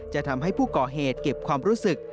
จะทำให้ผู้ก่อเหตุเก็บความรู้สึก